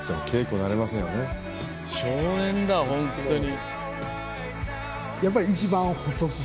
少年だホントに。